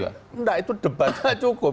enggak itu debatnya cukup